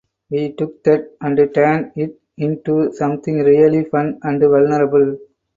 We took that and turned it into something really fun and vulnerable.